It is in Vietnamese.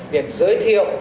việc giới thiệu